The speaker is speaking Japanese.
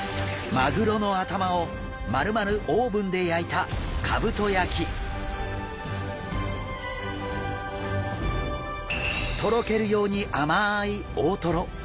マグロの頭をまるまるオーブンで焼いたとろけるように甘い大トロ。